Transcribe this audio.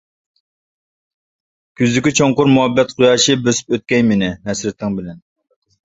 كۈزدىكى چوڭقۇر مۇھەببەت قۇياشى بۆسۈپ ئۆتكەي مېنى، ھەسرىتىڭ بىلەن!